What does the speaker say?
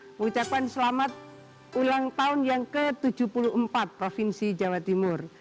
mengucapkan selamat ulang tahun yang ke tujuh puluh empat provinsi jawa timur